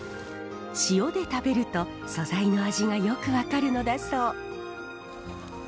塩で食べると素材の味がよく分かるのだそう。